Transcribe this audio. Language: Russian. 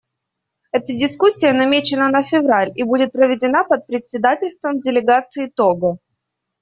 Эта дискуссия намечена на февраль и будет проведена под председательством делегации Того.